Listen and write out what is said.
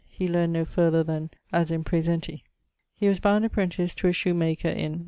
He learn'd no farther then As in praesenti. He was bound apprentice to a shoe maker in ...